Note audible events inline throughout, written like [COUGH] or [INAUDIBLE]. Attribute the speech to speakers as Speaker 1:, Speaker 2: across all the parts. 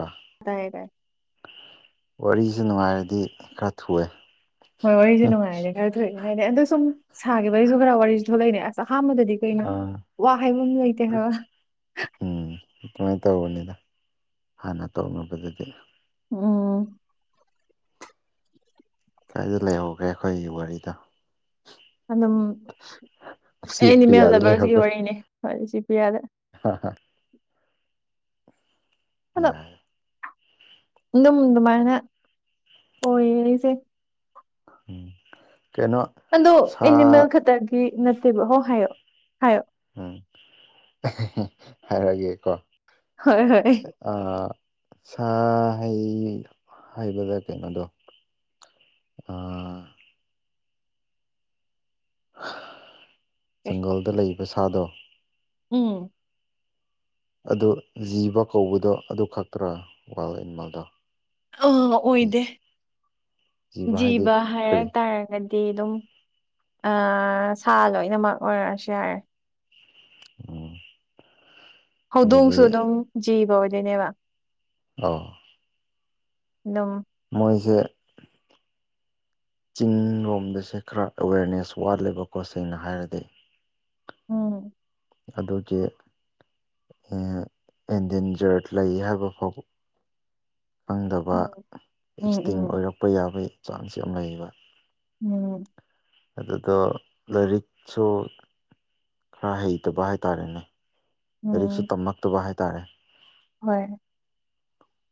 Speaker 1: ꯑꯥ
Speaker 2: ꯑꯗꯨꯗ
Speaker 1: ꯋꯥꯔꯤꯖꯦ ꯅꯨꯡꯉꯥꯏꯔꯗꯤ ꯈꯔ ꯊꯨꯑꯦ
Speaker 2: ꯍꯣꯏ ꯋꯥꯔꯤꯁꯦ ꯅꯨꯡꯉꯥꯏꯔꯦ ꯈꯔ ꯊꯣꯛꯏꯦ ꯍꯥꯏꯔꯦ ꯑꯗꯣ ꯁꯨꯝ ꯁꯥꯒꯤꯈꯤꯕꯒꯤꯁꯨ ꯈꯔ ꯋꯥꯔꯤꯁꯨ ꯊꯣꯛꯂꯛꯏꯅꯦ ꯑꯁ ꯑꯍꯥꯟꯕꯗꯗꯤ ꯀꯩꯅ
Speaker 1: ꯑꯥ
Speaker 2: ꯋꯥ ꯍꯥꯏꯕ ꯑꯃ ꯂꯩꯇꯦ ꯍꯥꯏꯕ
Speaker 1: ꯎꯝ ꯑꯗꯨꯃꯥꯏ ꯇꯧꯕꯅꯤꯗ ꯍꯥꯟꯅ ꯇꯧꯅꯕꯗꯗꯤ
Speaker 2: ꯎꯝ
Speaker 1: ꯀꯥꯏꯗ ꯂꯩꯍꯧꯒ꯭ꯔꯦ ꯑꯩꯈꯣꯏꯒꯤ ꯋꯥꯔꯤꯗꯣ
Speaker 2: ꯑꯗꯨꯝ
Speaker 1: ꯁꯤ
Speaker 2: ꯑꯦ ꯑꯦꯅꯤꯃꯦꯜ
Speaker 1: ꯄ꯭ꯔꯤꯌꯥꯗ
Speaker 2: ꯂꯕꯔꯁꯤꯒꯤ ꯋꯥꯔꯤꯅꯤ ꯁꯤ ꯄ꯭ꯔꯤꯌꯥꯗ
Speaker 1: ꯍꯥ ꯍꯥ ꯌꯥꯔꯦ
Speaker 2: [UNINTELLIGIBLE] ꯑꯗꯨꯝ ꯑꯗꯨꯃꯥꯏꯅ ꯑꯣꯏꯌꯦ ꯑꯩꯁꯦ
Speaker 1: ꯎꯝ ꯀꯩꯅꯣ
Speaker 2: ꯑꯗꯣ
Speaker 1: ꯁꯥ
Speaker 2: ꯑꯦꯅꯤꯃꯦꯜ ꯈꯛꯇꯒꯤ ꯅꯠꯇꯦꯕ ꯍꯣ ꯍꯥꯏꯌꯣ ꯍꯥꯏꯌꯣ
Speaker 1: ꯎꯝ ꯍꯥꯏꯔꯒꯦꯀꯣ
Speaker 2: ꯍꯣꯏ ꯍꯣꯏ
Speaker 1: ꯑ ꯁꯥ ꯍꯩ ꯍꯥꯏꯕꯗ ꯀꯩꯅꯣꯗꯣ
Speaker 2: [INAUDIBLE]
Speaker 1: ꯑꯥ
Speaker 2: ꯑꯦ
Speaker 1: ꯖꯪꯒꯜꯗ ꯂꯩꯕ ꯁꯥꯗꯣ
Speaker 2: ꯎꯝ
Speaker 1: ꯑꯗꯨ ꯖꯤꯕ ꯀꯧꯕꯗꯣ ꯑꯗꯨ ꯈꯛꯇ꯭ꯔꯥ ꯋꯥꯏꯜ ꯑꯦꯅꯤꯃꯦꯜꯗꯣ
Speaker 2: ꯑꯥ ꯑꯣꯏꯗꯦ
Speaker 1: ꯍꯥꯏꯗꯤ
Speaker 2: ꯖꯤꯕ ꯍꯥꯏꯔꯛ
Speaker 1: ꯀꯔꯤ
Speaker 2: ꯇꯥꯔꯒꯠ ꯗꯤꯗꯨꯝ ꯑ ꯁꯥ ꯂꯣꯏꯅꯃꯛ ꯑꯣꯏꯔꯛꯑꯁꯨ ꯌꯥꯔꯦ
Speaker 1: ꯎꯝ ꯑꯗꯨꯗꯤ
Speaker 2: ꯍꯧꯗꯣꯡꯁꯨ ꯑꯗꯨꯝ ꯖꯤꯕ ꯑꯣꯏꯗꯣꯏꯅꯦꯕ
Speaker 1: ꯑꯥꯎ
Speaker 2: ꯗꯨꯝ
Speaker 1: ꯃꯣꯏꯁꯦ ꯆꯤꯡꯔꯣꯝꯗꯁꯦ ꯈꯔ ꯑꯦꯋꯦꯔꯅꯦꯁ ꯋꯥꯠꯂꯦꯕꯀꯣ ꯁꯦꯡꯅ ꯍꯥꯏꯔꯗꯤ
Speaker 2: ꯎꯝ
Speaker 1: ꯑꯗꯨꯒꯤ ꯏꯟ ꯏꯟꯗꯦꯟꯖꯔ ꯂꯩ ꯍꯥꯏꯕ ꯐꯥꯎꯕ ꯈꯪꯗꯕ
Speaker 2: ꯎꯝ
Speaker 1: ꯑꯦꯛꯁꯇꯤꯡ
Speaker 2: ꯎꯝ
Speaker 1: ꯑꯣꯏꯔꯛꯄ ꯌꯥꯕꯩ ꯆꯥꯟꯁ ꯌꯥꯝ ꯂꯩꯌꯦꯕ
Speaker 2: ꯎꯝ
Speaker 1: ꯑꯗꯨꯗꯣ ꯂꯥꯏꯔꯤꯛꯁꯨ ꯈꯔ ꯍꯩꯇꯕ ꯍꯥꯏꯇꯥꯔꯦꯅꯦ ꯂꯥꯏꯔꯤꯛꯁꯨ
Speaker 2: ꯎꯝ
Speaker 1: ꯇꯝꯃꯛꯇꯕ ꯍꯥꯏꯇꯥꯔꯦ
Speaker 2: ꯍꯣꯏ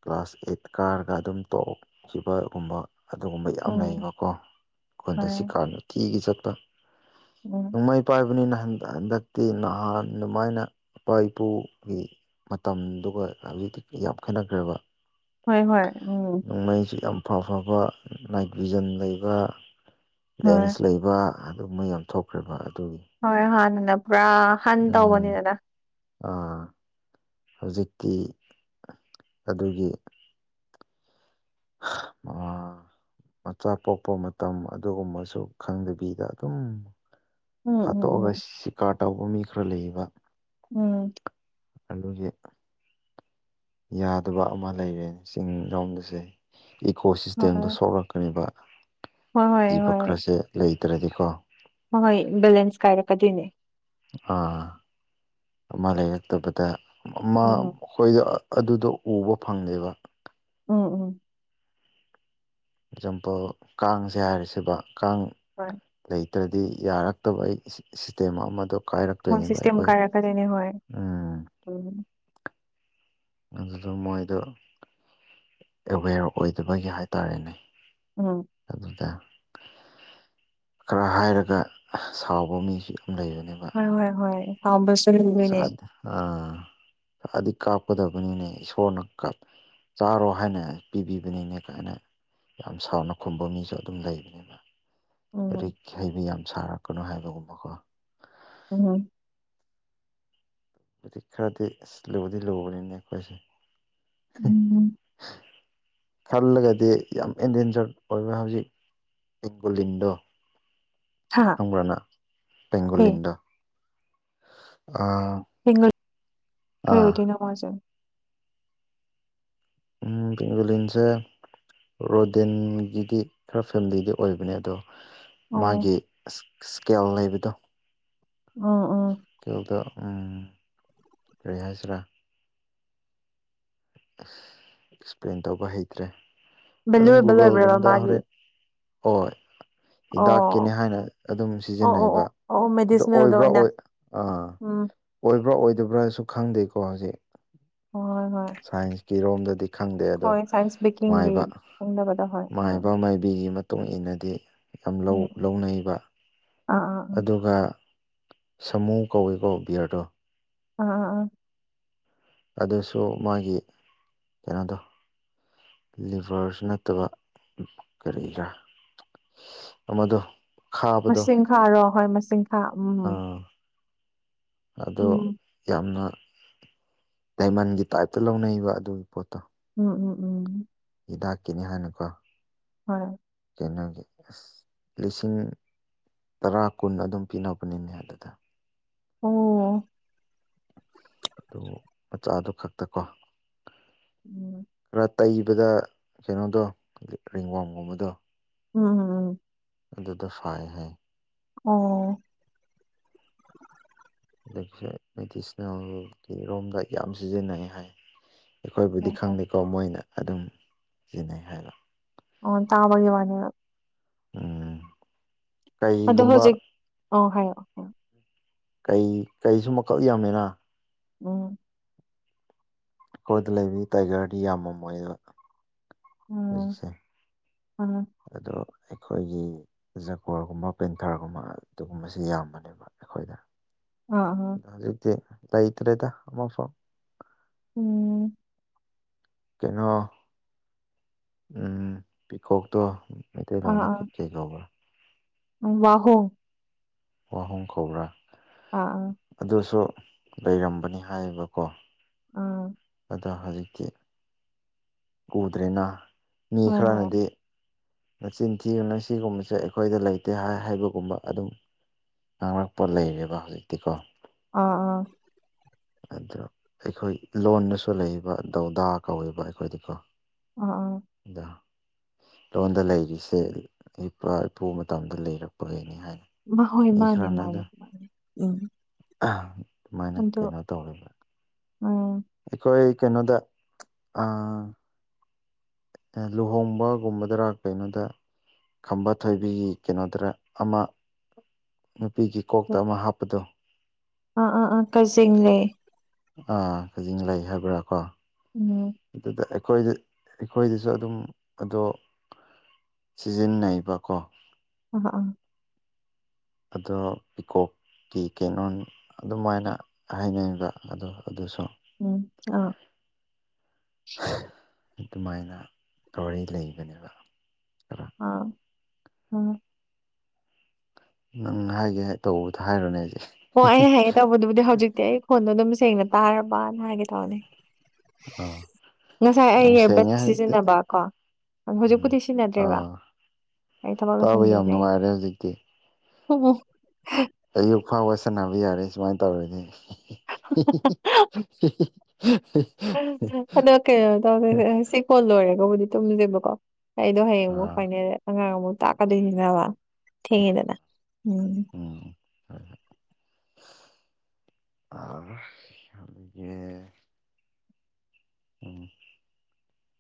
Speaker 1: ꯀ꯭ꯂꯥꯁ ꯑꯩꯠ ꯀꯥꯔꯒ ꯑꯗꯨꯝ ꯇꯣꯛꯈꯤꯕꯒꯨꯝꯕ ꯑꯗꯨꯒꯨꯝꯕ ꯌꯥꯝ
Speaker 2: ꯎꯝ
Speaker 1: ꯂꯩꯌꯦꯕ ꯀꯣ ꯈꯣꯟꯗ ꯁꯤ
Speaker 2: ꯍꯣꯏ
Speaker 1: ꯀꯥꯟꯗ ꯇꯤꯒꯤ ꯆꯠꯄ
Speaker 2: ꯎꯝ
Speaker 1: ꯅꯣꯡꯃꯩ ꯄꯥꯏꯕꯅꯤꯅ ꯍꯟꯗꯛ ꯍꯟꯗꯛꯇꯤ ꯅꯍꯥꯟ ꯑꯗꯨꯃꯥꯏꯅ ꯏꯄꯥ ꯏꯄꯨꯒꯤ ꯃꯇꯝꯗꯨꯒ ꯍꯧꯖꯤꯛꯇꯤ ꯌꯥꯝ ꯈꯦꯠꯅꯈ꯭ꯔꯦꯕ
Speaker 2: ꯍꯣꯏ ꯍꯣꯏ ꯎꯝ
Speaker 1: ꯃꯩꯁꯨ ꯌꯥꯝ ꯐꯥ ꯐꯥꯕ ꯅꯥꯏꯠ ꯚꯤꯖꯟ ꯂꯩꯕ
Speaker 2: ꯍꯣꯏ
Speaker 1: ꯂꯦꯟꯁ ꯂꯩ ꯕ ꯑꯗꯨꯝꯕ ꯌꯥꯝ ꯊꯣꯛꯈ꯭ꯔꯦꯕ ꯑꯗꯨꯒꯤ
Speaker 2: ꯍꯣꯏ ꯍꯥꯟꯅꯅ ꯄꯨꯔꯥ ꯍꯟ ꯇꯧꯕꯅꯤꯗꯅ
Speaker 1: ꯑ ꯍꯧꯖꯤꯛꯇꯤ ꯑꯗꯨꯒꯤ ꯑꯥ
Speaker 2: [INAUDIBLE]
Speaker 1: ꯃꯆꯥ ꯄꯣꯛꯄ ꯃꯇꯝ ꯑꯗꯨꯒꯨꯝꯕꯁꯨ ꯈꯪꯗꯕꯤꯗ ꯑꯗꯨꯝ
Speaker 2: ꯎꯝ
Speaker 1: ꯍꯥꯠꯇꯣꯛꯑꯒ
Speaker 2: ꯎꯝ
Speaker 1: ꯁꯤꯀꯥꯔ ꯇꯧꯕ ꯃꯤ ꯈꯔ ꯂꯩꯌꯦꯕ
Speaker 2: ꯎꯝ
Speaker 1: ꯑꯗꯨꯒꯤ ꯌꯥꯗꯕ ꯑꯃ ꯂꯩꯔꯦ ꯆꯤꯡꯔꯣꯝꯗꯁꯦ ꯏꯀꯣꯁꯤꯁꯇꯦꯝꯗ
Speaker 2: ꯍꯣꯏ
Speaker 1: ꯁꯣꯛꯂꯛꯈ꯭ꯔꯦꯕ
Speaker 2: ꯍꯣꯏ
Speaker 1: ꯖꯤꯕ ꯈꯔꯁꯦ ꯂꯩꯇ꯭ꯔꯗꯤꯀꯣ
Speaker 2: ꯍꯣꯍꯣꯏ ꯕꯦꯂꯦꯟꯁ ꯀꯥꯏꯔꯛꯀꯗꯣꯏꯅꯦ
Speaker 1: ꯑ ꯑꯃ ꯂꯩꯔꯛꯇꯕꯗ
Speaker 2: ꯎꯝ
Speaker 1: ꯑꯃꯃꯨꯛ ꯑꯈꯣꯏꯗꯤ ꯑ ꯑꯗꯨꯗꯣ ꯎꯕ ꯐꯪꯉꯦꯕ
Speaker 2: ꯎꯝ ꯎꯝ
Speaker 1: ꯑꯦꯖꯥꯝꯄꯜ ꯀꯥꯡꯁꯦ ꯍꯥꯏꯔꯁꯦꯕ ꯀꯥꯡ
Speaker 2: ꯍꯣꯏ
Speaker 1: ꯂꯩꯇ꯭ꯔꯗꯤ ꯌꯥꯔꯛꯇꯕ ꯑꯩ ꯁꯤꯁꯇꯦꯝ ꯑꯃꯗꯣ ꯀꯥꯏꯔꯛ
Speaker 2: ꯍꯣꯏ ꯁꯤꯁꯇꯦꯝ ꯀꯥꯏꯔꯛꯀꯗꯤꯅꯦ ꯍꯣꯏ ꯎꯝ
Speaker 1: ꯑꯗꯨꯗ ꯃꯣꯏꯗꯣ ꯑꯦꯋꯦꯌꯔ ꯑꯣꯏꯗꯕꯒꯤ ꯍꯥꯏꯇꯥꯔꯦꯅꯦ
Speaker 2: ꯎ
Speaker 1: ꯑꯗꯨꯗ ꯈꯔ ꯍꯥꯏꯔꯒ ꯑ ꯁꯥꯎꯕ ꯃꯤꯁꯤ ꯑꯗꯨ ꯂꯩꯕꯅꯦꯕ
Speaker 2: ꯍꯣꯏ ꯍꯣꯏ ꯍꯣꯏ ꯑꯁ
Speaker 1: ꯑꯥ ꯏꯁꯥꯗꯤ ꯀꯥꯞꯀꯗꯕꯅꯤꯅꯦ ꯏꯁꯣꯔꯅ ꯀꯥꯞ ꯆꯥꯔꯣ ꯍꯥꯏꯅ ꯄꯤꯕꯤꯕꯅꯤꯅꯦ ꯀꯥꯏꯅ ꯌꯥꯝ ꯁꯥꯎꯅ ꯈꯨꯝꯕ ꯃꯤꯁꯨ ꯑꯗꯨꯝ ꯂꯩꯕꯅꯤꯅ
Speaker 2: ꯎꯝ
Speaker 1: ꯂꯥꯏꯔꯤꯛ ꯍꯩꯕ ꯌꯥꯝ ꯁꯥꯔꯛꯀꯅꯣ ꯍꯥꯏꯕꯒꯨꯝꯕꯀꯣ
Speaker 2: ꯎꯝ ꯍꯨꯝ
Speaker 1: ꯄꯥꯗꯤ ꯂꯕꯗꯤ ꯂꯧꯕ ꯅ ꯀꯣꯏꯁꯦ
Speaker 2: ꯎꯝ
Speaker 1: ꯈꯜꯂꯒꯗꯤ ꯌꯥꯝ ꯑꯦꯟꯗꯦꯟꯖꯔ ꯑꯣꯏꯕ ꯍꯧꯖꯤꯛ ꯕꯦꯡꯒꯣꯂꯤꯟꯗꯣ
Speaker 2: ꯍꯥ
Speaker 1: [UNINTELLIGIBLE]
Speaker 2: ꯀꯩ
Speaker 1: ꯕꯦꯡꯒꯣꯂꯤꯟꯗꯣ ꯑꯥ
Speaker 2: ꯍꯒꯜ
Speaker 1: ꯑꯥ
Speaker 2: ꯀꯩꯕꯗꯤ ꯅꯣꯖ
Speaker 1: ꯎꯝ ꯄꯦꯡꯒꯣꯂꯤꯟꯁꯦ ꯔꯣꯗꯤꯟꯒꯤꯗꯤ ꯈꯔ ꯐꯦꯃꯤꯂꯤꯗꯤ ꯑꯣꯏꯕꯅꯦ ꯑꯗꯣ
Speaker 2: ꯑꯣ
Speaker 1: ꯃꯥꯒꯤ ꯏꯁꯀꯦꯜ ꯂꯩꯕꯗꯣ
Speaker 2: ꯎꯝ ꯎꯝ
Speaker 1: ꯀꯣꯗ ꯔꯤꯍꯥꯏ ꯁꯔ ꯑꯦꯛꯁꯄ꯭ꯂꯦꯟ ꯇꯧꯕ ꯍꯩꯇ꯭ꯔꯦ ꯑꯗꯨꯝ
Speaker 2: ꯕꯦꯂꯨꯑꯦꯕꯜ ꯑꯣꯏꯕ꯭ꯔꯕ
Speaker 1: ꯒꯨꯒꯜꯒꯨꯝꯗ
Speaker 2: ꯃꯥꯒꯤ
Speaker 1: ꯍꯣꯔꯦꯟ ꯍ
Speaker 2: ꯑꯣ
Speaker 1: ꯍꯤꯗꯥꯛꯀꯤꯅꯤ ꯍꯥꯏꯅ ꯑꯗꯨꯝ
Speaker 2: ꯑꯣ ꯑꯣ ꯑꯣ
Speaker 1: ꯁꯤꯖꯤꯟꯅꯩꯕ
Speaker 2: ꯑꯣ ꯑꯣ
Speaker 1: ꯑꯗꯣ
Speaker 2: ꯃꯦꯗꯤꯁꯅꯦꯜꯗ
Speaker 1: ꯑꯣꯏꯕ꯭ꯔꯥ
Speaker 2: ꯑꯣꯏꯅ
Speaker 1: ꯑꯥ
Speaker 2: ꯎꯝ
Speaker 1: ꯑꯣꯏꯕ꯭ꯔꯥ ꯑꯣꯏꯗꯕ꯭ꯔꯥꯁꯨ ꯈꯪꯗꯦꯀꯣ ꯍꯧꯖꯤꯛ
Speaker 2: ꯍꯣꯏ ꯍꯣꯏ
Speaker 1: ꯁꯥꯏꯟꯁꯀꯤꯔꯣꯝꯗꯗꯤ ꯈꯪꯗꯦ ꯑꯗꯣ
Speaker 2: ꯍꯣꯏ ꯁꯥꯏꯟꯁ ꯕꯦꯀꯤꯡꯗꯤ
Speaker 1: ꯃꯥꯏꯕ
Speaker 2: ꯈꯪꯗꯕꯗꯣ ꯍꯣꯏ ꯑꯥ
Speaker 1: ꯃꯥꯏꯕ ꯃꯥꯏꯕꯤꯒꯤ ꯃꯠ ꯇꯣꯛ ꯏꯅꯗꯤ ꯌꯥꯝ ꯂꯧ
Speaker 2: ꯎꯝ
Speaker 1: ꯂꯧꯅꯩꯕ
Speaker 2: ꯑꯥ ꯑꯥ ꯑꯥ
Speaker 1: ꯑꯗꯨꯒ ꯁꯃꯨ ꯀꯧꯏꯀꯣ ꯕꯤꯌꯔꯗꯣ
Speaker 2: ꯑ ꯑ
Speaker 1: ꯑꯗꯨꯁꯨ ꯃꯥꯒꯤ ꯀꯩꯅꯣꯗꯣ ꯂꯤꯚꯔꯁꯨ ꯅꯠꯇꯕ ꯀꯔꯤꯒꯔ ꯑꯃꯗꫭ
Speaker 2: ꯃꯁꯤꯡ ꯈꯥꯔꯣ ꯍꯣꯏ ꯃꯁꯤꯡ ꯈꯥ ꯎꯝ
Speaker 1: ꯑꯥ ꯑꯗꯣ
Speaker 2: ꯎꯝ
Speaker 1: ꯌꯥꯝꯅ ꯗꯥꯏꯃꯟꯒꯤ ꯇꯥꯏꯞꯇ ꯂꯧꯅꯩꯕ ꯑꯗꯨꯝ ꯄꯣꯠꯇꯣ
Speaker 2: ꯎꯝ ꯎꯝ ꯎꯝ
Speaker 1: ꯍꯤꯗꯥꯛꯀꯤꯅꯤ ꯍꯥꯏꯅꯀꯣ
Speaker 2: ꯍꯣꯏ
Speaker 1: ꯀꯩꯅꯣꯒꯤ ꯑꯁ ꯂꯤꯁꯤꯡ ꯇꯔꯥ ꯀꯨꯟ ꯑꯗꯨꯝ ꯄꯤꯅꯕꯅꯤꯅꯦ ꯑꯗꯨꯗ
Speaker 2: ꯑꯣ
Speaker 1: ꯑꯗꯨꯕꯨ ꯃꯆꯥꯗꯨ ꯈꯛꯇꯀꯣ
Speaker 2: ꯎꯝ
Speaker 1: ꯔꯠ ꯇꯩꯕꯗ ꯀꯩꯅꯣꯗꯣ ꯔꯤꯡꯋꯥꯝꯒꯨꯝꯕꯗꯣ
Speaker 2: ꯎꯝ
Speaker 1: ꯑꯗꯨꯗꫭ ꯐꯥꯏ ꯍꯥꯏ
Speaker 2: ꯑꯣ
Speaker 1: [UNINTELLIGIBLE] ꯃꯦꯗꯤꯁꯅꯦꯜꯒꯤ ꯔꯣꯝꯗ ꯌꯥꯝ ꯁꯤꯖꯤꯟꯅꯩ ꯍꯥꯏ ꯑꯩꯈꯣꯏꯕꯨꯗꯤ
Speaker 2: ꯑꯣ ꯑꯣ
Speaker 1: ꯈꯪꯗꯦꯀꯣ ꯃꯣꯏꯅ ꯑꯗꯨꯝ ꯁꯤꯖꯤꯟꯅꯩ ꯍꯥꯏꯕ
Speaker 2: ꯑ ꯇꯥꯕꯒꯤ ꯋꯥꯅꯤ
Speaker 1: ꯎꯝ
Speaker 2: ꯑꯗꯣ
Speaker 1: ꯀꯩꯒꯨꯝꯕ
Speaker 2: ꯍꯧꯖꯤꯛ ꯑꯣ ꯍꯥꯏꯌꯣ
Speaker 1: ꯀꯩ ꯀꯩꯁꯨ ꯃꯛꯈꯜ ꯌꯥꯝꯃꯦꯅ
Speaker 2: ꯎꯝ
Speaker 1: ꯑꯩꯈꯣꯏꯗ ꯂꯩꯕꯕꯤ ꯇꯥꯏꯒꯔꯗꯤ ꯌꯥꯝꯃꯝꯃꯣꯏꯌꯦ ꯍꯧꯖꯤꯛꯁꯦ
Speaker 2: ꯎꯝ
Speaker 1: ꯑꯗꯣ ꯑꯩꯈꯣꯏꯒꯤ ꯖꯒꯣꯔꯒꯨꯝꯕ ꯄꯦꯟꯊꯔꯒꯨꯝꯕ ꯑꯗꯨꯒꯨꯝꯕꯁꯤ ꯌꯥꯝꯕꯅꯦꯕ ꯑꯩꯈꯣꯏꯗ
Speaker 2: ꯑ ꯑꯝ
Speaker 1: ꯑꯗꯣ ꯍꯧꯖꯤꯛꯇꯤ ꯂꯩꯇ꯭ꯔꯦꯗ ꯑꯃꯐꯧ
Speaker 2: ꯎꯝ
Speaker 1: ꯀꯩꯅꯣ ꯄꯤꯀꯣꯛꯇꯣ
Speaker 2: ꯑꯥ
Speaker 1: ꯃꯩꯇꯩꯂꯣꯟꯗ
Speaker 2: ꯑꯥ
Speaker 1: ꯈꯤꯠ ꯀꯩꯅꯣꯕ
Speaker 2: ꯋꯥꯍꯣꯡ
Speaker 1: ꯋꯥꯍꯣꯡ ꯀꯧꯕ꯭ꯔꯥ
Speaker 2: ꯑꯥ ꯑꯥ
Speaker 1: ꯑꯗꯨꯁꯨ ꯂꯩꯔꯝꯕꯅꯤ ꯍꯥꯏꯌꯦꯕꯀꯣ
Speaker 2: ꯑꯥ
Speaker 1: ꯑꯗ ꯍꯧꯖꯤꯛꯇꯤ ꯎꯗ꯭ꯔꯦꯅ ꯃꯤ
Speaker 2: ꯍꯣꯏ ꯍꯣꯏ
Speaker 1: ꯈꯔꯅꯗꯤ ꯃꯆꯤꯟ ꯊꯤꯕꯅꯦ ꯃꯁꯤꯒꯨꯝꯕꯁꯦ ꯑꯩꯈꯣꯏꯗ ꯂꯩꯇꯦ ꯍꯥꯏ ꯍꯥꯏꯕꯒꯨꯝꯕ ꯑꯗꯨꯝ ꯉꯥꯡꯔꯛꯄ ꯂꯩꯔꯦꯕ ꯍꯧꯖꯤꯛꯇꯤꯀꯣ
Speaker 2: ꯑꯥ ꯑꯥ
Speaker 1: ꯑꯗ ꯑꯩꯈꯣꯏ ꯂꯣꯟꯗꯁꯨ ꯂꯩꯕ ꯗꯧꯗꯥ ꯀꯧꯋꯦꯕ ꯑꯩꯈꯣꯏꯗꯤꯀꯣ
Speaker 2: ꯑꯥ ꯑꯥ
Speaker 1: ꯑꯗꯣ ꯂꯣꯟꯗ ꯂꯩꯔꯤꯁꯦ ꯏꯄꯥ ꯏꯄꯨ ꯃꯇꯝꯗ ꯂꯩꯔꯛꯄꯒꯤꯅꯤ ꯍꯥꯏ
Speaker 2: ꯃꯥ ꯍꯣꯏ ꯃꯥꯅꯦ ꯃꯥꯅꯦ ꯃꯥꯅꯦ ꯎꯝ
Speaker 1: ꯑꯍ ꯑꯗꯨꯃꯥꯏꯅ
Speaker 2: ꯑꯗꯣ
Speaker 1: ꯀꯩꯅꯣ ꯇꯧꯔꯦꯕ
Speaker 2: ꯎꯝ
Speaker 1: ꯑꯩꯈꯣꯏ ꯀꯩꯅꯣꯗ ꯑꯥ ꯑꯦ ꯂꯨꯍꯣꯡꯕꯒꯨꯝꯕꯗꯔ ꯀꯩꯅꯣꯗ ꯈꯝꯕ ꯊꯣꯏꯕꯤꯒꯤ ꯀꯩꯅꯣꯗꯔ ꯑꯃ ꯅꯨꯄꯤꯒꯤ ꯀꯣꯛꯇ ꯑꯃ ꯍꯥꯞꯄꯗꯣ
Speaker 2: ꯑꯥ ꯑꯥ ꯑꯥ ꯀꯖꯤꯡꯂꯩ
Speaker 1: ꯑꯥ ꯈꯖꯦꯡꯂꯩ ꯍꯥꯏꯕ꯭ꯔꯥ ꯀꯣ
Speaker 2: ꯎꯝ
Speaker 1: ꯑꯗꯨꯗ ꯑꯩꯈꯣꯏꯗꯤ ꯑꯩꯈꯣꯏꯗꯁꯨ ꯑꯗꯨꯝ ꯑꯗꯣ ꯁꯤꯖꯤꯟꯅꯩꯕꯀꯣ
Speaker 2: ꯎꯝ ꯎꯝ
Speaker 1: ꯑꯗꯣ ꯄꯤꯀꯣ ꯀꯤ ꯀꫯꯅꫭꯅ ꯑꯗꯨꯝꯃꯥꯏꯅ ꯍꯥꯏꯅꯤꯡꯕ ꯑꯗꯣ ꯑꯗꫭꯁꯨ
Speaker 2: ꯎꯝ ꯑ
Speaker 1: ꯑꯗꯨꯃꯥꯏꯅ [UNINTELLIGIBLE] ꯂꯩꯕꯅꯦꯕ [UNINTELLIGIBLE]
Speaker 2: ꯑꯥ ꯎꯝ
Speaker 1: ꯅꯪ ꯍꯥꯏꯒꯦ ꯇꯧꯕꯗ ꯍꯥꯏꯔꯨꯅꯦ ꯍꯧꯖꯤꯛ
Speaker 2: ꯍꯣ ꯑꯩ ꯍꯥꯏꯒꯦ ꯇꯧꯕꯗꯨꯕꯨꯗꯤ ꯍꯧꯖꯤꯛꯇꯤ ꯑꯩ ꯈꯣꯟꯗꯣ ꯑꯗꯨꯝ ꯁꯦꯡꯅ ꯇꯥꯔꯕꯅ ꯍꯥꯏꯒꯦ ꯇꯧꯕꯅꯤ
Speaker 1: ꯑꯥ
Speaker 2: ꯉꯁꯥꯏ ꯑꯩ
Speaker 1: ꯌꯥꯝ
Speaker 2: ꯏꯔꯕꯠ
Speaker 1: ꯁꯦꯡꯉꯦ ꯍꯧꯖꯤꯛꯇꯤ
Speaker 2: ꯁꯤꯖꯤꯟꯅꯕ ꯀꯣ
Speaker 1: ꯎꯝ
Speaker 2: ꯍꯧꯖꯤꯛꯄꯨꯗꯤ ꯁꯤꯖꯤꯟꯅꯗ꯭ꯔꯦꯕ
Speaker 1: ꯑꯥ
Speaker 2: ꯑꯩ ꯊꯕꯛ
Speaker 1: ꯇꯥꯕ ꯌꯥꯝ
Speaker 2: ꯂꯣꯏꯁꯤꯟꯒꯤꯕꯗꯩꯩ
Speaker 1: ꯅꯨꯡꯉꯥꯏꯔꯦ ꯍꯧꯖꯤꯛꯇꯤ
Speaker 2: ꯎꯍꯨꯝ
Speaker 1: ꯑꯌꯨꯛ ꯐꯥꯎꯕ ꯁꯥꯟꯅꯕ ꯌꯥꯔꯦ ꯁꯨꯃꯥꯏ ꯇꯧꯔꯗꯤ [UNINTELLIGIBLE]
Speaker 2: ꯑꯗꯣ ꯀꯩꯅꯣ ꯇꯧꯒꯦ ꯁꯤ ꯀꯣꯜ ꯂꯣꯏꯔꯒꯕꯨꯗꯤ ꯇꯨꯝꯒꯦꯕꯀꯣ ꯑꯩꯗꯣ ꯍꯌꯦꯡ ꯑꯃꯨꯛ ꯐꯪꯅꯦ ꯑꯉꯥꯡ ꯑꯃꯨꯛ ꯇꯥꯛꯀꯗꯣꯏꯅꯤꯕ
Speaker 1: ꯑꯥ
Speaker 2: ꯊꯦꯡꯉꯦꯗꯅ ꯎꯝ
Speaker 1: ꯎꯝ ꯑꯗꯒꯤ ꯎꯝ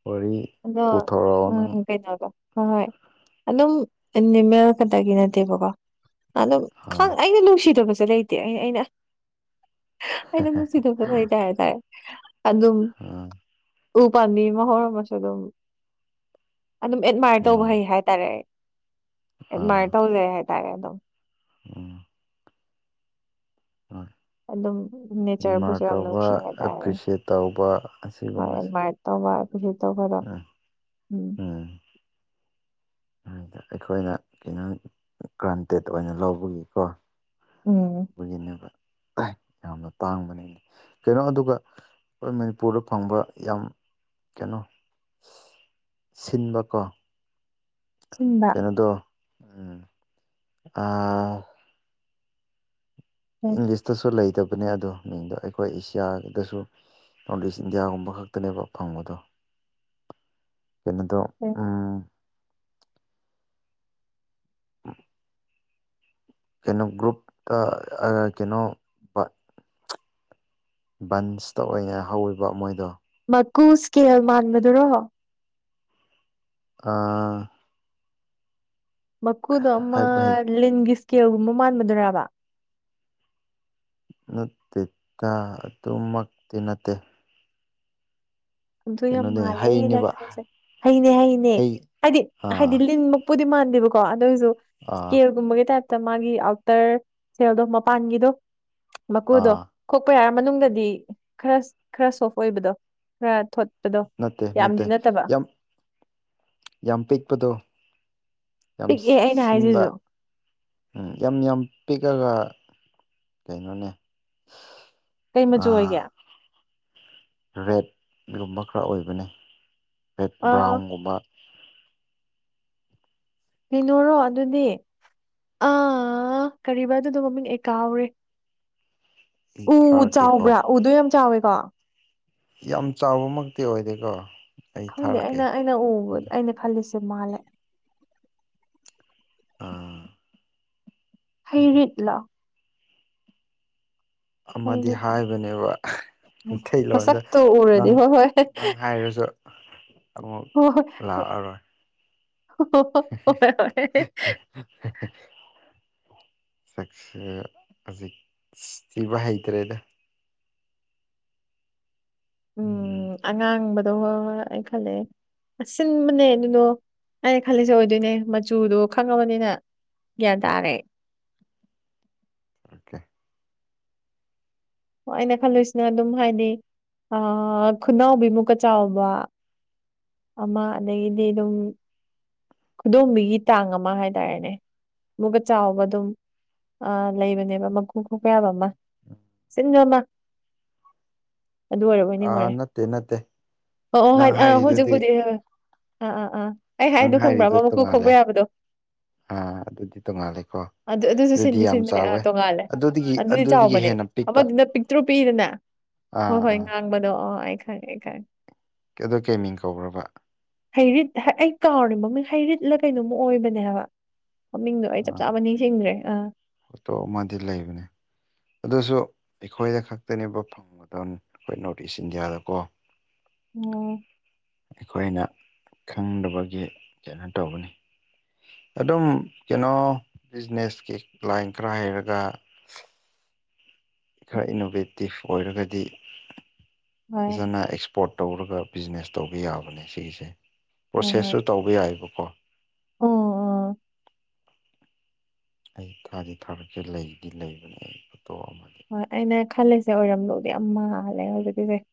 Speaker 1: ꯋꯥꯔꯤ
Speaker 2: ꯑꯗꯣ
Speaker 1: ꯄꯨꯊꯣꯔꯛꯑꯣ ꯅꯪ
Speaker 2: ꯎꯝ ꯀꯩꯅꯣꯗ ꯍꯣꯏ ꯍꯣꯏ ꯑꯗꯨꯝ ꯑꯦꯅꯤꯃꯦꯜ ꯈꯛꯇꯒꯤ ꯅꯠꯇꯦꯕꯀꯣ ꯑꯗꯨ ꯈꯪ
Speaker 1: ꯑꯥ
Speaker 2: ꯑꯩꯅ ꯅꯨꯡꯁꯤꯗꯕꯁꯨ ꯂꯩꯇꯦ ꯑꯩ ꯑꯩꯅ ꯑꯩꯅ ꯅꯨꯡꯁꯤꯗꯕ [UNINTELLIGIBLE] ꯑꯗꯨꯝ
Speaker 1: ꯑꯥ
Speaker 2: ꯎ ꯄꯥꯝꯕꯤ ꯑꯃ ꯍꯧꯔꯝꯃꯁꯨ ꯑꯗꯨꯝ ꯑꯗꯨꯝ ꯑꯦꯗꯃꯥꯏꯌꯔ ꯇꯧꯕ
Speaker 1: ꯎꯝ
Speaker 2: ꯍꯩ ꯍꯥꯏꯇꯥꯔꯦ ꯑꯦꯗꯃꯥꯏꯔ ꯇꯧꯖꯩ ꯍꯥꯏ ꯇꯥꯔꯦ ꯑꯗꯨꯝ
Speaker 1: ꯑꯣ ꯍꯣꯏ
Speaker 2: ꯑꯗꯨꯝ ꯅꯦꯆꯔꯕꯨꯁꯨ
Speaker 1: ꯑꯦꯗꯃꯥꯏꯌꯔ
Speaker 2: ꯌꯥꯝ
Speaker 1: ꯇꯧꯕ
Speaker 2: ꯅꯨꯡꯁꯤ ꯍꯥꯏꯇꯥꯔꯦ
Speaker 1: ꯑꯦꯄ꯭ꯔꯤꯁꯦꯠ ꯇꯧꯕ
Speaker 2: ꯍꯣꯏ
Speaker 1: ꯑꯁꯤꯒꯨꯝꯕꯁꯦ
Speaker 2: ꯑꯦꯗꯃꯥꯏꯔ ꯇꯧꯕ ꯑꯩꯕꯨꯁ ꯇꯧꯕ ꯑꯗꯣ
Speaker 1: ꯎꯝ
Speaker 2: ꯎꯝ
Speaker 1: ꯎꯝ ꯑꯩꯈꯣꯏꯅ ꯀꯩꯅꯣ ꯒ꯭ꯔꯥꯟꯇꯦꯠ ꯑꯣꯏꯅ ꯂꯧꯕꯒꯤꯀꯣ
Speaker 2: ꯎꯝ [UNINTELLIGIBLE]
Speaker 1: ꯑꯣꯏꯒꯟꯅꯕ ꯌꯥꯝꯅ ꯇꯥꯡꯕꯅꯤꯅ ꯀꯩꯅꯣ ꯑꯗꯨꯒ ꯑꯩꯈꯣꯏ ꯃꯅꯤꯄꯨꯔꯗ ꯐꯪꯕ ꯌꯥꯝ ꯀꯩꯅꯣ ꯁꯤꯟꯕꯀꯣ
Speaker 2: ꯁꯤꯟꯕ
Speaker 1: ꯀꯩꯅꯣꯗꯣ ꯎꯝ ꯑꯥ
Speaker 2: ꯎꯝ
Speaker 1: ꯏꯪꯂꯤꯁꯇꯁꯨ ꯂꯩꯇꯕꯅꯦ ꯑꯗꯣ ꯃꯤꯡꯗꯣ ꯑꯩꯈꯣꯏ ꯑꯦꯁꯤꯌꯥꯗꯁꯨ ꯄꯕ꯭ꯂꯤꯁ ꯏꯟꯗꯤꯌꯥꯒꯨꯝꯕ ꯈꯛꯇꯅꯦꯕ ꯐꯪꯕꯗꯣ ꯀꯩꯅꯣꯗꯣ
Speaker 2: ꯎꯝ [UNINTELLIGIBLE]
Speaker 1: ꯎꯝ ꯀꯩꯅꯣ ꯒ꯭ꯔꯨꯞꯇ ꯑ ꯀꯩꯅꯣ ꯕꯠ ꯕꯟꯁꯇ ꯑꯣꯏꯅ ꯍꯧꯋꯦꯕ ꯃꯣꯏꯗꯣ
Speaker 2: ꯃꯀꯨ ꯏꯁꯀꯦꯜ ꯃꯥꯟꯕꯗꯨꯔꯣ
Speaker 1: ꯑꯥ
Speaker 2: ꯃꯀꯨꯗꯣ ꯑꯃ
Speaker 1: ꯍꯥꯏꯕ ꯍꯩ
Speaker 2: ꯂꯤꯟꯒꯤ ꯏꯁꯀꯦꯜꯒꯨꯝꯕ ꯃꯥꯟꯕꯗꯨꯔꯥꯕꯥ
Speaker 1: ꯅꯠꯇꯦꯗ ꯑꯗꯨꯃꯛꯇꯤ ꯅꯠꯇꯦ
Speaker 2: ꯑꯗꯨ ꯌꯥꯝ
Speaker 1: ꯀꯩꯅꯣꯅꯦ
Speaker 2: ꯃꯥꯂꯦ ꯅꯪ
Speaker 1: ꯍꯩꯅꯦꯕ
Speaker 2: ꯍꯥꯏꯕꯁꯦ ꯍꯩꯅꯦ ꯍꯩꯅꯦ
Speaker 1: ꯍꯩ
Speaker 2: ꯍꯥꯏꯗꯤ ꯍꯥꯏꯗꯤ
Speaker 1: ꯑꯥ
Speaker 2: ꯂꯤꯟ ꯃꯀꯨ ꯄꯨꯨꯗꯤ ꯃꯥꯟꯗꯦꯕꯀꯣ ꯑꯗꯨꯑꯣꯏꯁꯨ
Speaker 1: ꯑꯥ
Speaker 2: ꯏꯁꯀꯦꯜꯒꯨꯝꯕꯒꯤ ꯇꯥꯏꯞ ꯃꯥꯒꯤ ꯑꯥꯎꯇꯔ ꯁꯦꯜꯗꯣ ꯃꯄꯥꯟꯒꯤꯗꯣ ꯃꯀꯨꯗꯣ
Speaker 1: ꯑꯥ
Speaker 2: ꯈꯣꯛꯄ ꯌꯥꯔ ꯃꯅꯨꯡꯗꯗꯤ ꯈꯔ ꯈꯔ ꯁꯣꯐ ꯑꯣꯏꯕꯗꯣ ꯈꯔ ꯊꯣꯠ
Speaker 1: ꯅꯠꯇꯦ ꯅꯠꯇꯦ ꯌꯥꯝ ꯌꯥꯝ ꯄꯤꯛꯄꯗꯣ ꯌꯥꯝ
Speaker 2: ꯄꯤꯛꯑꯦ ꯑꯩꯅ
Speaker 1: ꯁꯤꯟꯕ
Speaker 2: ꯍꯥꯏꯁꯤꯁꯨ
Speaker 1: ꯌꯥꯝ ꯌꯥꯝ ꯄꯤꯛꯑꯒ ꯀꯩꯅꯣꯅꯦ
Speaker 2: ꯀꯩ ꯃꯆꯨ ꯑꯣꯏꯒꯦ
Speaker 1: ꯔꯦꯠꯒꯨꯝꯕ ꯈꯔ ꯑꯣꯏꯕꯅꯦ ꯔꯦꯠ
Speaker 2: ꯑ
Speaker 1: ꯕ꯭ꯔꯥꯎꯟꯒꯨꯝꯕ
Speaker 2: ꯀꯩꯅꯣꯔꯣ ꯑꯗꯨꯗꯤ ꯑꯥ ꯀꯔꯤꯕ ꯑꯗꯨꯗꯣ ꯃꯃꯤꯡ ꯑꯩ ꯀꯥꯎꯔꯦ
Speaker 1: ꯑꯩ
Speaker 2: ꯎ
Speaker 1: ꯊꯥꯔꯛꯀꯦꯀꯣ
Speaker 2: ꯆꯥꯎꯕ꯭ꯔꯥ ꯎꯗꯣ ꯌꯥꯝ ꯆꯥꯎꯋꯦꯀꯣ
Speaker 1: ꯌꯥꯝ ꯆꯥꯎꯕꯃꯛꯇꯤ ꯑꯣꯏꯗꯦꯀꯣ ꯑꯩ
Speaker 2: ꯈꯪꯗꯦ
Speaker 1: ꯊꯥꯔꯛꯀꯦ
Speaker 2: ꯑꯩꯅ ꯑꯩꯅ ꯎꯕ ꯑꯩꯅ ꯈꯜꯂꯤꯁꯦ ꯃꯥꯜꯂꯦ
Speaker 1: ꯑꯥ
Speaker 2: ꯍꯩꯔꯤꯠꯂꫭ
Speaker 1: ꯑꯃꯗꯤ
Speaker 2: ꯍꯩꯔꯤꯠ
Speaker 1: ꯍꯥꯏꯕꯅꯦꯕ
Speaker 2: ꯎꯝ
Speaker 1: ꯃꯩꯇꯩ ꯂꯣꯟꯗꯥ
Speaker 2: ꯃꯁꯛꯇꯣ ꯎꯔꯗꯤ
Speaker 1: ꯅꯪ
Speaker 2: ꯍꯣꯏ ꯍꯣꯏ
Speaker 1: ꯅꯪ ꯍꯥꯏꯔꯁꯨ ꯑꯃꯨꯛ ꯂꯥꯛꯑꯔꯣꯏ
Speaker 2: ꯑꯣ ꯑꯣ ꯍꯣꯏ
Speaker 1: [UNINTELLIGIBLE] ꯁꯛꯁꯦ ꯍꯧꯖꯤꯛ ꯊꯤꯕ ꯍꯩꯇ꯭ꯔꯦꯗ
Speaker 2: ꯎꯝ ꯑꯉꯥꯡꯕꯗꯣ ꯍꯣꯏ ꯍꯣꯏ ꯑꯩ ꯈꯜꯂꯛꯑꯦ ꯑꯁꯤꯟꯕꯅꯦ ꯑꯗꯨꯗꯣ ꯑꯩꯅ ꯈꯜꯂꯤꯁꯦ ꯑꯣꯏꯗꯣꯏꯅꯦ ꯃꯆꯨꯗꯣ ꯈꯪꯉꯕꯅꯤꯅ ꯒ꯭ꯌꯥꯟ ꯇꯥꯔꯦ
Speaker 1: ꯑꯣꯀꯦ
Speaker 2: ꯍꯣꯏ ꯑꯩꯅ ꯈꯜꯂꯨꯏꯁꯤꯅ ꯑꯗꯨꯝ ꯍꯥꯏꯗꯤ ꯑꯥ ꯈꯨꯅꯥꯎꯕꯤꯃꯨꯛꯀ ꯆꯥꯎꯕ ꯑꯃ ꯑꯗꯒꯤꯗꯤ ꯑꯗꯨꯝ ꯈꯨꯗꯣꯝꯕꯤꯒꯤ ꯇꯥꯡ ꯑꯃ ꯍꯥꯏꯇꯥꯔꯦꯅꯦ ꯑꯃꯨꯛꯀ ꯆꯥꯎꯕ ꯑꯗꯨꯝ ꯑ ꯂꯩꯕꯅꯦꯕ ꯑꯃ ꯃꯀꯨ ꯈꫭꯛꯄ ꯌꯥꯕ ꯑꯃ ꯑꯁꯤꯟꯕ ꯑꯃ [INAUDIBLE] ꯑꯗꯨ ꯑꯣꯏꯔꯕꯣꯏ
Speaker 1: ꯑꯥ
Speaker 2: ꯅꯤꯡꯉꯨꯔꯦ
Speaker 1: ꯅꯠꯇꯦ ꯅꯠꯇꯦ
Speaker 2: ꯑꯣ ꯑꯣ ꯍꯥꯏ
Speaker 1: ꯅꯪ
Speaker 2: ꯑꯥ
Speaker 1: ꯍꯥꯏꯔꯤꯗꯨꯗꯤ
Speaker 2: ꯍꯧꯖꯤꯛꯄꯨꯗꯤ ꯍꫭꯏ ꯑ ꯑ ꯑꯥ ꯑꯩ
Speaker 1: ꯅꯪ
Speaker 2: ꯍꯥꯏꯗꯣ ꯈꯪꯕ꯭ꯔꯥ
Speaker 1: ꯍꯥꯏꯔꯤꯗꯣ
Speaker 2: ꯃ ꯃꯀꯨ
Speaker 1: ꯇꯣꯡꯉꯥꯜꯂꯦ
Speaker 2: ꯈꫭꯛꯄ ꯌꯥꯕꯗꯣ
Speaker 1: ꯑꯥ ꯑꯗꯨꯗꯤ ꯇꯣꯡꯉꯥꯜꯂꯦꯀꯣ
Speaker 2: ꯑꯗꯨ ꯑꯗꯨꯁꯨ
Speaker 1: ꯑꯗꯨꯗꯤ
Speaker 2: ꯁꯤꯟꯗꯤ
Speaker 1: ꯌꯥꯝ
Speaker 2: ꯁꯤꯟꯕꯅꯦ ꯑꯥ
Speaker 1: ꯆꯥꯎꯋꯦ
Speaker 2: ꯇꯣꯡꯉꯥꯜꯂꯦ
Speaker 1: ꯑꯗꯨꯗꯒꯤ
Speaker 2: ꯑꯗꯨꯗꯤ
Speaker 1: ꯑꯗꯨꯗꯒꯤ
Speaker 2: ꯆꯥꯎꯕꯅꯦ
Speaker 1: ꯍꯦꯟꯅ ꯄꯤꯛꯄ
Speaker 2: ꯑꯃꯗꯨꯅ
Speaker 1: ꯑꯥ ꯑꯥ
Speaker 2: ꯈꯪꯕꯅꯣ ꯑꯣ ꯑꯩ ꯈꯪꯉꯦ ꯈꯪꯉꯦ
Speaker 1: ꯀꯦꯗꯣ ꯀꯩ ꯃꯤꯡ ꯀꯧꯕ꯭ꯔꯥꯕꯥ
Speaker 2: ꯍꯩꯔꯤꯠ ꯑꯩ ꯀꯥꯎꯔꯦ ꯃꯃꯤꯡ ꯍꯩꯔꯤꯠꯂ ꯀꯩꯅꯣꯝꯃ ꯑꯣꯏꯕꯅꯦ ꯍꯥꯏꯕ ꯃꯃꯤꯡꯗꯣ ꯑꯩ ꯆꯞ
Speaker 1: ꯑꯥ
Speaker 2: ꯆꯥꯕ ꯅꯤꯡꯁꯤꯡꯗ꯭ꯔꯦ ꯑ
Speaker 1: ꯐꯣꯇꯣ ꯑꯃꯗꯤ ꯂꯩꯕꯅꯦ ꯑꯗꯨꯁꯨ ꯑꯩꯈꯣꯏꯗ ꯈꯛꯇꯅꯦꯕ ꯐꯪꯕꯗꯣꯟ ꯑꯩꯈꯣꯏ ꯅꯣ꯭ꯔꯠ ꯏꯁ ꯏꯟꯗꯤꯌꯥꯗꯀꯣ
Speaker 2: ꯑꯣ
Speaker 1: ꯑꯩꯈꯣꯏꯅ ꯈꯪꯗꯕꯒꯤ ꯀꯩꯅꯣ ꯇꯧꯕꯅꯤ ꯑꯗꯨꯝ ꯀꯩꯅꯣ ꯕꯤꯖꯤꯅꯦꯁꯀꯤ ꯀ꯭ꯂꯥꯏꯟ ꯈꯔ ꯍꯩꯔꯒ ꯈꯔ ꯏꯅꯣꯚꯦꯇꯤꯞ ꯑꯣꯏꯔꯒꯗꯤ
Speaker 2: ꯍꯣꯏ
Speaker 1: ꯐꯖꯅ ꯑꯦꯛꯁ ꯄꯣꯔꯠ ꯇꯧꯔꯒ ꯕꯤꯖꯤꯅꯦꯁ ꯇꯧꯕ ꯌꯥꯕꯅꯦ ꯁꯤꯒꯤꯁꯦ
Speaker 2: ꯍꯣꯏ ꯍꯣꯏ
Speaker 1: ꯄ꯭ꯔꯣꯁꯦꯁꯁꯨ ꯇꯧꯕ ꯌꯥꯏꯑꯕꯀꯣ
Speaker 2: ꯑꯣ ꯑ
Speaker 1: ꯑꯩ ꯊꯥꯗꯤ ꯊꯥꯔꯛꯀꯦ ꯂꯩꯗꯤ ꯂꯩꯕꯅꯦ ꯑꯩ ꯐꯣꯇꯣ ꯑꯃꯗꯤ
Speaker 2: ꯍꯣꯏ ꯑꯩꯅ ꯈꯜꯂꯤꯁꯦ ꯑꯣꯏꯔꯝꯗꯧꯗꯤ ꯌꯥꯝ ꯃꯥꯜꯂꯦ ꯍꯧꯖꯤꯛꯀꯤꯁꯦ